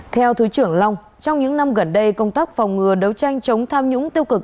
theo thứ trưởng long trong những năm gần đây công tác phòng ngừa đấu tranh chống tham nhũng tiêu cực